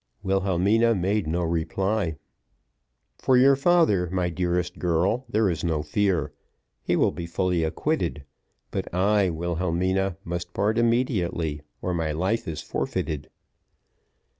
Wilhelmina made no reply. "For your father, my dearest girl, there is no fear: he will be fully acquitted; but I, Wilhelmina, must depart immediately, or my life is forfeited."